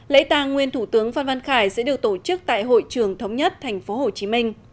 lễ tàng nguyên thủ tướng văn văn khải sẽ được tổ chức tại hội trưởng thống nhất tp hcm